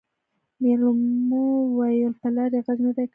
مېلمو وويل پلار يې غږ نه دی کړی.